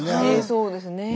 そうですね。